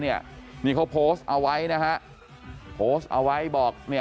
นี่เขาโพสต์เอาไว้